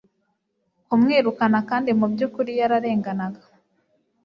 kumwirukana kandi mu byukuri yararenganaga